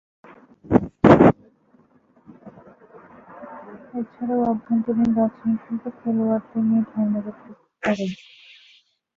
এছাড়াও অভ্যন্তরীণ রাজনীতিতে খেলোয়াড়দের নিয়ে ধর্মঘট করেন।